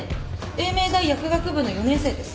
栄明大薬学部の４年生です。